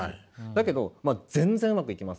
だけど全然うまくいきません。